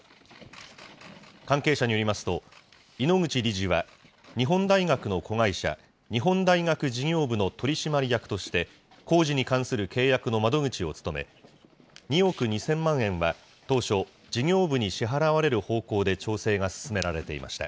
関係者によりますと、井ノ口理事は、日本大学の子会社、日本大学事業部の取締役として、工事に関する契約の窓口を務め、２億２０００万円は当初、事業部に支払われる方向で調整が進められていました。